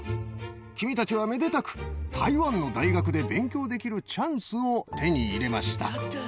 君たちはめでたく台湾の大学で勉強できるチャンスを手に入れました。